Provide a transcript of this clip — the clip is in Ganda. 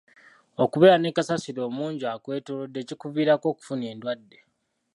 Okubeera ne kasasiro omungi akwetoolodde kikuviirako okufuna endwadde.